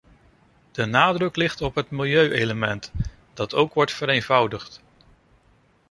De nadruk ligt op het milieuelement, dat ook wordt vereenvoudigd.